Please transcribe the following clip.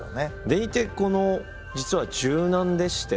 でいて実は柔軟でして。